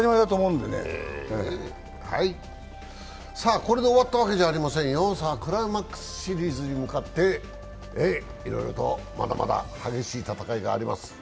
これで終わったわけじゃありませんよ、クライマックスシリーズに向かって、いろいろと、まだまだ激しい戦いがあります。